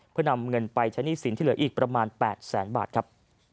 เพื่อนำเงินไปใช้หนี้สินที่เหลืออีกประมาณ๘แสนบาทครับ